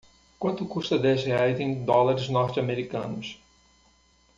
quanto custa dez reais em dólares norte americanos